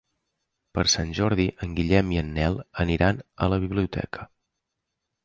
Per Sant Jordi en Guillem i en Nel aniran a la biblioteca.